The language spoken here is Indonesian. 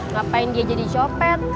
ngapain dia jadi nyopet